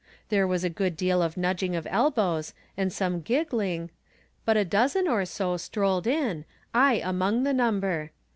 There was a good deal of nudging of elbows, and some giggling, but a • dozen or so strolled in, I among the number.